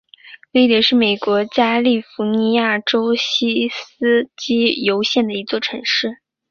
威德是美国加利福尼亚州锡斯基尤县的一座城市。